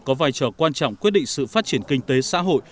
có vai trò quan trọng quyết định sự phát triển kinh tế xã hội